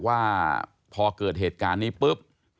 ว่าพอเกิดเหตุการณ์นี้ปุ๊บ